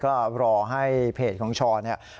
เขาก็ไปร้องเรียน